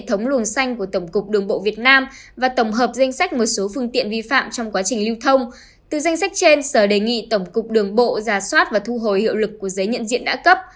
từ danh sách trên sở đề nghị tổng cục đường bộ giả soát và thu hồi hiệu lực của giấy nhận diện đã cấp